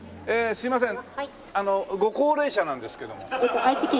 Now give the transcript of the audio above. すみません。